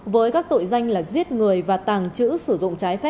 với các tội danh là giết người và tàng trữ sử dụng trái phép